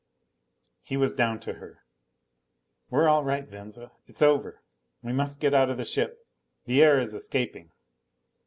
He was down to her. "We're all right, Venza. It's over. We must get out of the ship. The air is escaping."